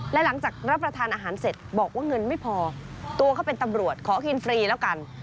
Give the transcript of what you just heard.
และหลังจากรับประทานอาหารเสร็จบอกว่าเงินไม่พอตัวเขาเป็นตำรวจขอกินฟรีแล้วกัน